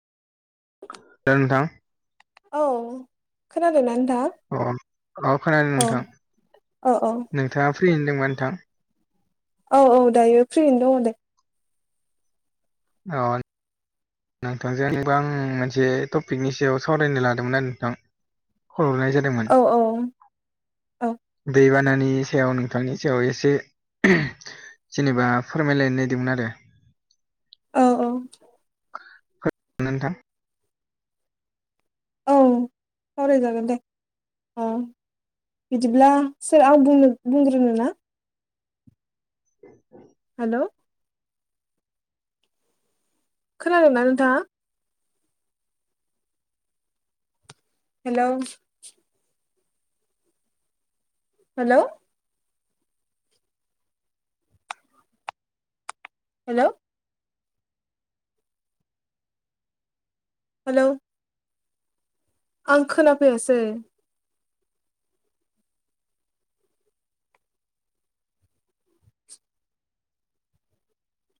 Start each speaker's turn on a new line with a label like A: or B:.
A: हेल' नोंथां।
B: औ खोनादों ना नोंथां?
A: अ अ खोनादों नोंथां
B: औ औ
A: नोंथाङा फ्रिनो दोंबा नोंथां?
B: औ औ दायो फ्रियैनो दङ दे।
A: औ। नोंथांजोंबोा आं मोनसे टपिकनि सायाव सावरायनो लादोंमोन आरो नोंथां। खर'नाय जादोंमोन
B: औ औ
A: दैबानानि सायाव नों। दथांनि सायाव एसे जेनेबा फोरमायलायनो नागिरदोंमोन आरो।
B: औ औ।
A: नोंथां।
B: औ सावरायजागोन दे अ। बिदिब्ला सोर आं बुंनो बुंग्रोनोना? हेलौ खोनादोंना नोंथाङा हेलौ हेलौ हेलौ हेलौ आं खोनाफैयासै